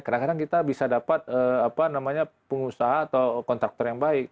kadang kadang kita bisa dapat pengusaha atau kontraktor yang baik